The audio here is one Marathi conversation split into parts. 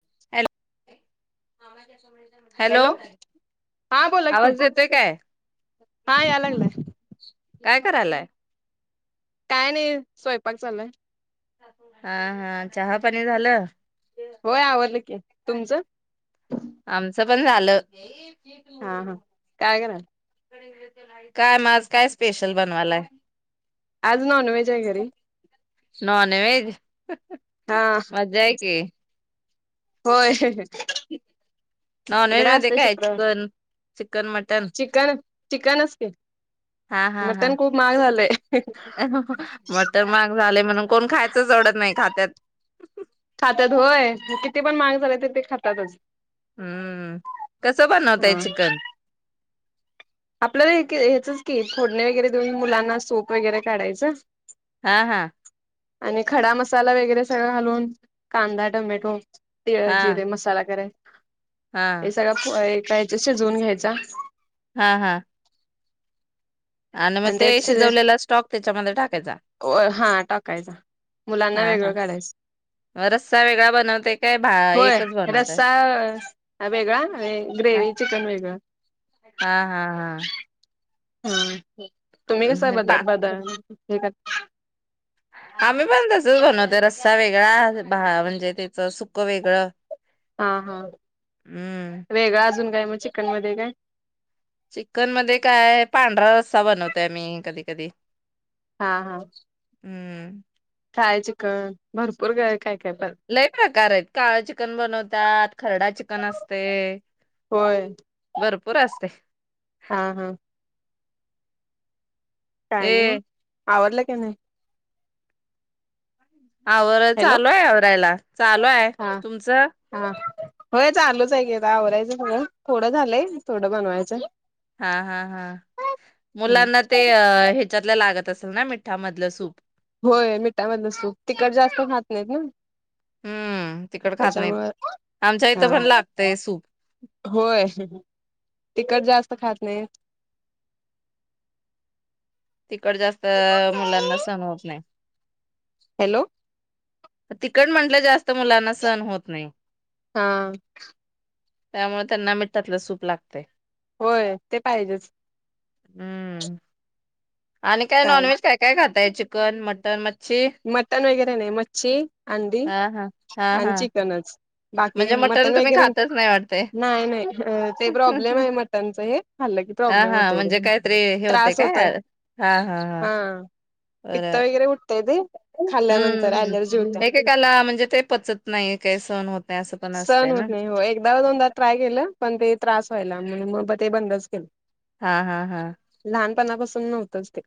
हॅलो. हॅलो हा बोला कि, आवाज येतोय काय हा यायला लागलाय. काय करालाय.? काय नाही स्वयंपाक चालाय. हा हा चहा पानी झालं? होय आवरलं की. तुमचं? आमचं पण झालं. हा हा काय कराल? काय म, आज काय स्पेशल बनवालाय? आज नॉन व्हेज आहे घरी. नॉनव्हेज? हा मजा आहे की! होय. नॉनव्हेज मध्ये असते काय? तर शुक्रवार चिकन -चिकन, मटन चिकन चिकनच की हा हा हा मटण खूप महाग झालंय मटन महाग झालय म्हणून कोण खायच सोडत नाही खात्यात. खात्यात होय किती पण महाग झाले तरी ते खातातच. हूं कसं बनवताय हा चिकन? आपल्याला कि ह्याचंच की फोडणी वगैरे देऊन मुलांना सूप वगैरे काढायचं. हा हा. आणि खडा मसाला वगैरे सगळं घालून कांदा, टोमॅटो, तिळ, हा जिरे, मसाला करायचा. हा हा हे सगळ [unintelligible] फ्राय च सिजवून घ्यायच. हां हां. आणि मग ते शिजवलेला स्टॉक त्याच्यामध्ये टाकायचा. हा टाकायचा मुलांना हां वेगळं हां काढायच अ रस्सा वेगळा बनवताय काय भा -एकच बनवताय? हा वेगळा होय हा ग्रेवी चिकन वेगळं. हा हा [inaudible] हम्म तुम्ही कस हा बद पा बद हे आम्ही पण तसच बनवतय रस्सा वेगळा भा -म्हणजे त्याचं सुकं वेगळं हां हां हम्म वेगळा अजून काय मग? चिकन मध्ये काय? चिकन मध्ये काय, पांढरा रस्सा बनवतय मी कधी कधी. हां हां. हूं. [unintelligible] चिकन भरपूर [unintelligible] लय प्रकार आहेत, काळ चिकन बनवतात खरडा चिकन असते भरपू पूर असतय. हां हां. काय नेऊ? ए आवडलं की नाही? आवर- हॅलो चालू आहे आवरायला. चालू आहे. हा तुमचं? हा होय चालूच हाय की आवरायचं सगळं. थोडं झालंय थोडं बनवायचं. हां हां हां मुलांना ते अ ह्याच्यात तल लागत असेल ना? मिठामधलं सूप. होय. मिठामधलं सूप, तिखट जास्त खात नाहीत ना. हम्म तिकड खात नाही त्याच्यामुळ आमच्या [inaudible] इथं पण हां लागतंय सूप होय तिकट जास्त खात नाहीत. तिखट जास्त मुलांना सहन होत नाही. हॅलो तिखट म्हंटलं जास्त मुलांना सहन होत नाही. हां. त्यामुळे त्यांना मिठातलं सूप लागते. होय ते पाहिजेच. हम्म. आणि काय नॉनव्हेज काय काय खात काय चिकन, मटन, म मटन वगैरे नाही. म ची अंडी हा हा हा आणि हा चिकनच. बाकी म्हणजे काय मटण मटन तुम्ही वगैरे? खातच नाही वाटतंय. नाही- नाही ते प्रॉब्लेम आहे मटनच हे खाल्लं की हा प्रॉब्लेम हा होतोय म्हणजे काहीतरी हे होते त्रास होतोय काय हा हा हा. पित्ता वगैरे ऊठ तय गं. हम्म हम्म एकेकाला म्हणजे ते पचत नाही काही सहण होत नाही असं पण सहन असतंय ना? होत नाही हो एकदा दोनदा ट्राय केलं पण ते त्रास व्हायला म्हणून म ते बंदच केलं हा हा हा. लहानपणापासून पण नव्हतंच ते.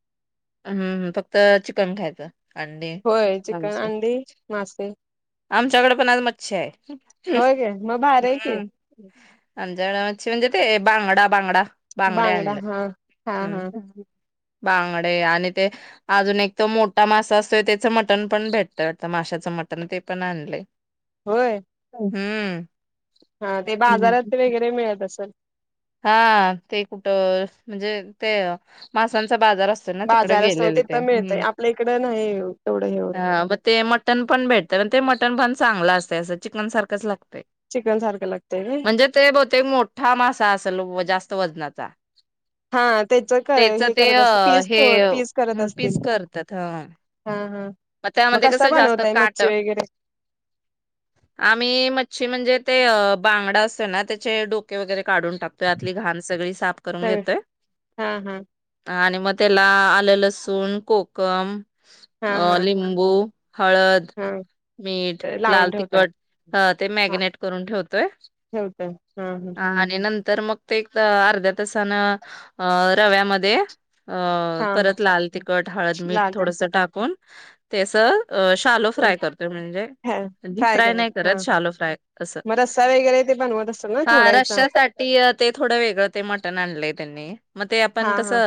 हम्म फक्त चिकन खायचं. अंडे होय चिकन असं अंडी मासे. आमच्याकडे पण आज मच्छी हाय. होय काय मग भारी आहे की हम्म. अंजळाच म्हणजे ते बांगडा बांगडा. बांगडे बांगडा आणलेत. हा हा हा. हम्म बांगडे आणि ते अजून एक तो मोठा मासा असतोय त्याचं मटण पण भेटत, माशाचं मटण ते पण आणले. होय. हम्म. हा ते बाजारात ते वगैरे मिळत असल? हा ते कुठं म्हणजे ते मासां चा बाजार असतोय ना तिकडे बाजार असतो गेलेले ते. तिथं मिळतय हम्म आपल्या इकडं नाही एवढं हे होत आ म ते मटण पण भेटते पण मटण बन चांगलं असत असं चिकनसारखंच लागत. चिकन सारखं लागतय व्हय म्हणजे ते बहुतेक मोठा मास आ असल ओ जास्त वजनाचा. हां त्याच क हे ते करत अ अस पीस हे क पीस करत पीस असतील. करतात ह. हा हा. मग त्यामध्ये कस कसा जास्त बनवताय का, मच्छी वगैरे आम्ही मच्छी म्हणजे ते बा बांगडा असतो ना त्याचे डोके वगैरे काढून टाकतोय आतली घाण सगळी साफ करून सगळ घेतोय. हा हा आणि म त्याला आलं लसूण कोकम हा अ हा लिंबू.. हळद, हा मीठ, लावून लाल ठेवताय तिखट, ते हा मॅरिनेट करून ठेवतोय ठेवतय हा हा आणि नंत तर मग ते एक अर्ध्या तासान अ रव्यामध्ये.. अ हा हा परत लाल तिखट हळद मीठ लावते थोडस टाकून... त्येच.. अ शालो फ्राय करतोय म्हणजे. डीप फ्राय नाय करायचं करत हा शालो फ्राय. असं. मग रस्सा वगैरे ते बनवत असेल ना अ थोडा याचा रशासाठी ते थोडं वेगळ ते मटण आणलंय त्यांनी म ते हा आपन कस.. हा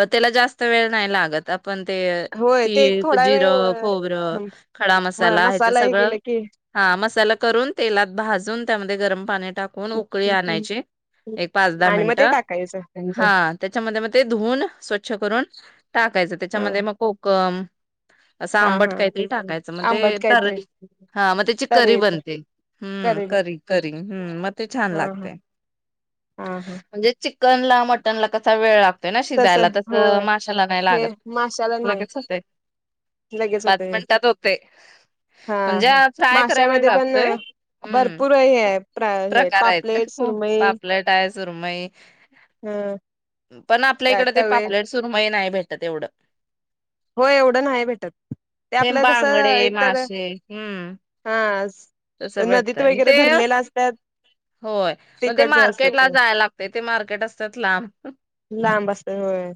अ त्याला जास्त वेळ नाही लागत. पण ते... होय ते तीळ, थोडा जिरं, वेळ खोबरं, खडा म मसाला, ह्याच हे सगळं केलं की हा मसाला करून तेलात भाजून त्यामध्ये गरम पाणी टाकून उकळी आणायची. एक पाच दहा आणि मग मिनट. ते टाकायचं हा, त्याच्यामध्ये धुऊन स्व च्छ करून. टाकायचं. हा त्याच्यामध्ये मग कुक पम असं हा आंबट हा काहीतरी टाकायचं. मग ते आंबट तर काहीतरी हा मग त्याची तर करी येत बनते. हम्म करे ब करी करी हम् मग ते छान हा हा लागते. हा हा म्हणजे चि कन ला मटन ला कसा वेळ लागतो.? त्याला तस शिजायला तसं होय माशाला नाही हे लागत. माशाला नाही लगेच होते. लगेच पाच होतय मिनिटात होते. हा म्हणजे हा फ्राय कराय वेळ माशामध्ये पण लागतोय. हम् भरपूर हे आहे प्र हे प्रकार आहेत पापलेट सुरमई पापलेट आहे. सुरमई. ह पण आपल्या काय इकड ते तवे पापलेट सुरमई नाही. भेटत तेवढं. हो एवढं नाही भेटत. ते हे आपलं कसं? बांगडे एकतर. मासे हम्म हा,. तसं नदीत भेटतय ते वगैरे धरलेले असत्यात. होय मग ते मार्केट ला जाया लागतय. ते मार्केट असतात लांब. लांब असत होय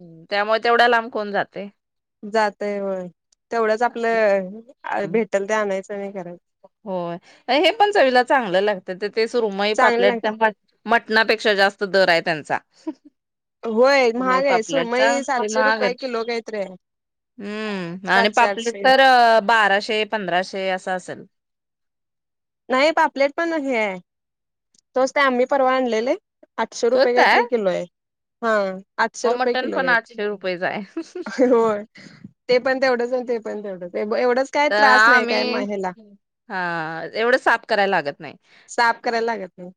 हं. त्यामुळे तेवढ्या लांब कोण जात? ते. जातय होय. तेवढंच आपलं अ हम्म, भेटल ते आणायचं. नाही करायचं होय. हे पण चवीला चांगलं लागतं. ते ते सुरूमई चांगलं पापलेट लागते त्यामुळे.. मटणापेक्षा जास्त दर आहे त्यांचा. होय म महाग आहे पापलेटचा. सुरमई ते सातशे महाग रुपये आहेत. किलो काहीतरी आहे हम्म आणि सातशे पापलेट आठशे तर बाराशे पंधराशे असं असेल. नाही पापलेट पण हे आहे. तोचते आम्ही परवा आणलेले.. आठशे रुपये स्वस्त आहे काहीतरी किलो हाय. हा.. आठशे मग रुपये मटण पण किलोय. आठशे रुपयेच आहे होय ते पण तेवढंच होतेय. पण तेवढच आहे. तर आम्ही हा तेव परत साफ करायला लागत नाही. साफ करायला लागत नाही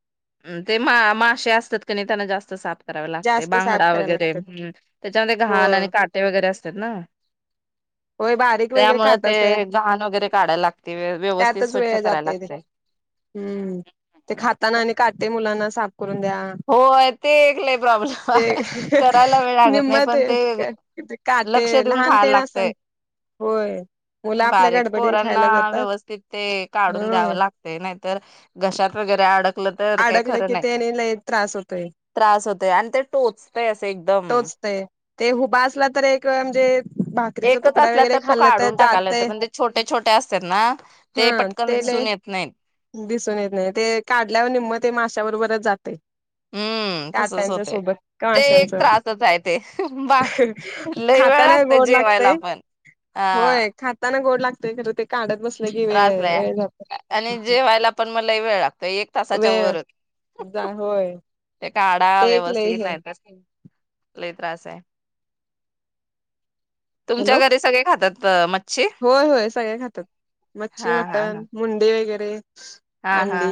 ते मा मासे असतात की नाही त्यांना जास्त साप.. करावे लागते जास्त साफ बांगडा करायला वगैरे लागतात हं त्याच्यामध्ये हो घाण आणि काटे वगैरे असत्यात ना! होय, बारीक वगैरे त्यामुळे काटं ते असं घाण वगैरे काढायला लागते व्य- व्यवस्थित त्यातच स्वच्छ वेळ करायला जाते ते, लागते हं ते खाताना आणि का.. ते मुलांना साफ.. करून द्या हो, ते एकलई ते प्रॉब्लेम.. करायला वेळ लागत नाही पण ते ते काटे लक्ष देऊन लहान खायला तेन असताना लागतंय. होय मुलं आपल्या बारीक गडबडीन पोरांना खायला जातात व्यवस्थित ते काढून द्यावं ह लागतंय नाहीतर घशात वगैरे अड अडकल कीं ते लय त्रास होतोय त्रास होतोय आणि ते टोचतय असं एकदम. टोचतय ते हुबा असला तर एक म्हणजे.. भाकरीचा एकच तुकडा असला वगैरे तर तो खाल्ला काढून टाकायला येत जातय म्हणजे छोटे-छोटे असतात ना हा ते पटकन ते लय दिसून येत नाहीत. तेवा निम्मं ते माशाबरबर्चं जातंय. हं तसच होतंय ते एक माशांच त्रासच आहे ते. बा लई वेळ खाताना लागतय गोड जेवायला लागतय पण. अं.. लागतय तर ते काढत बसत.. त्रास लय हाय. आणि जेवायला पण म लय वेळ लागतंय कीं. वेळ.. जा होय ते काढा.. ते एक लय व्यवस्थित हे नाहीतर.. लय त्रास हाय. तुमच्या हॅलो घरी सगळे खातात? तर म होय, होय सगळे खातात मच्छी, हा हा मटण, हा मुंडे वगैरे.. हा रिकामा ऑडिओ अंडी.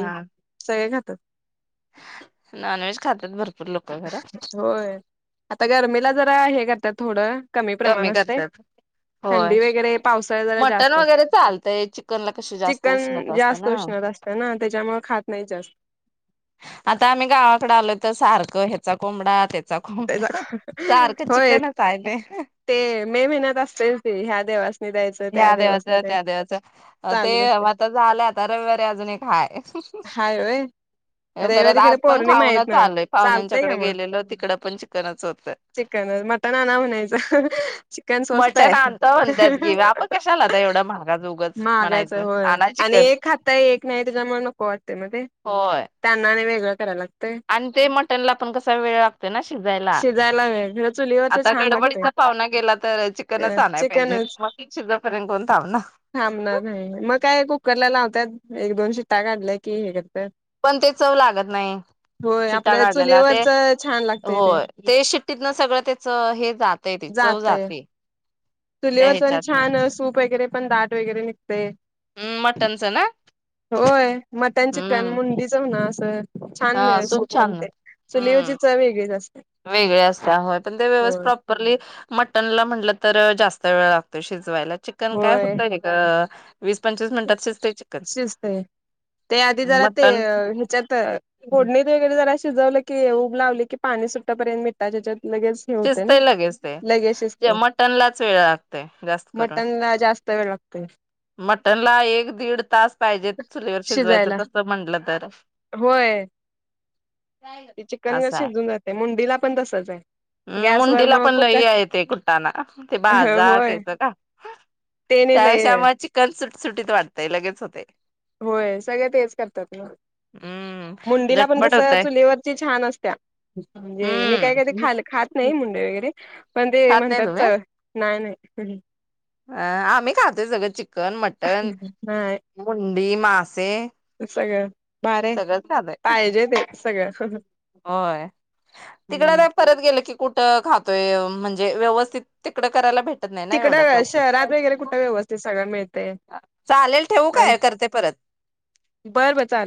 सगळे खाता तं नॉन व्हेज खातात भर होय, आता गरमीेला जरा हे कर त्या थोडं कमी प्रमाण असतय. होय थंडी वगैरे पावसाळ जरा मटण जास्त, वगैरे चालतंय चिकनला कशी जास्त चिकन उष्णता असते जास्त ना उष्णता असते ना त्याच्यामुळे खात नाही जास्त आता आम्ही गावाकडे आलो तर सारखं ह्याचा कोंबडा त्या त्याचा होय आहे ते ते मे महिन्यात असतील ते ह्या देवास हया देवाचं त्या देवांच ते चालूच असते आता झालं आता रविवारी अजून एक हाय हाय होय परत रविवारी खरं आज पण पौर्णिमा आहेत खाऊनच ना आलोय. चालतय का पाहुण्यांच्याकडे मग गेलेल तिकडं पण चि चिकन, मटन आणा म्हणायचं चिकन स्वस्त मटण आहे. आणतो म्हणतात की आपण कशाला आता एवढं महागाच उगच महागाच म्हणायचं होय आणा आणि चिकन एक खाताय एक नाही त्याच्यामुळे नको वाटते मग ते होय त्यांना आणि वेगळं [unintelligible] आणि ते मटन ला पण कसा वेळ लागतो ना शिजाय. शिजायला वेळ चुलीवरच छान लागतय गडबडीचा पाहुणा गेला तर चिकनच आणाय पाहिजे चिकनच मग ते शिजोपर्यंत कोण थांबणार थांबणार आहे मग काय कुकरला लावतात एक दोन शिट्टा काढल्या की हे करतात पण ते चव लागत नाही होय शिट्ट्या आपल्या काढलेला ते चुलीवरच छान लागतंय होय ते शिट्टीत ना सगळं तेच हे जात आहे ते चव जाते. त्या चूलीवरच ह्याच्यातनं छान सुप वगैरे पण दाट वगरे निघ हम्म मटनचं ना होय मटण चिकन हम्म मुंडीचं ना असं हा छान सूप नाही छान ते चुलीवरची हम्म चव वेगळीच असते वेगळे असत पण व प्रॉपरली मटनला म्हणलं तर जास्त वेळ लागतो शिजवायला. चिकन काय होय होतय का. शिजतय ते आधी जरा ते मटन ह्याच्यात फोडणीत वगैरे जरा शिजवलं की उब लावली की पाणी सुट्टपर्यंत मिठाच्यात शिजतय लगेचे शिजते मटनलाच वेळ लागतेय जास्त करून. मटनला जास्त वेळ लागते. मटन ला एक दीड तास पाहिजेत चुलीवर शिजवायच शिजायला. तस म्हटलं तर होय ते चिकन ग असंय शिजून जाते मुंडीला पण तसच आहे. हम् गॅसवर मुंडीला मग पण लई कुकर हाय ते कुठाना ते बाजार [unintelligible] होय का तेने त्यापेक्षा लय मग चिकन सुट सुटीत वाटतंय लगेच होतय. होय सगळ तेच करतात हम्म. मुंडीला पण झटपट कस होतय चुलीवरची छान असत्या म्हणजे मी काय हम्म कधी खा खात नाही मुंडे वगैरे पण ते खात नाही म्हणतात तुम्ही चव नाही नाही. [inaudible] अ आम्ही खातो सगळें चिकन चिकन, मटन, नाही मुं मासे सगळं भारी आहे सगळं झालंय, पाहिजे ते सगळं होय तिकडं नाही परत गेल की कुठं खातोय? म्हणजे व्यवस्थित तिकडं करायला भे तिकडं शहरात वगैरे कुठे व्यवस्थित सगळं मिळतंय चालेल ठेवू आणि काय करते परत बर बर चाल